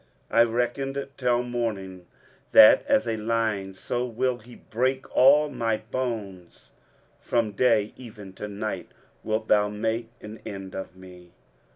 23:038:013 I reckoned till morning, that, as a lion, so will he break all my bones: from day even to night wilt thou make an end of me.